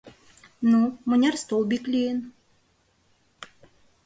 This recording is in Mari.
Ну, мыняр столбик лийын?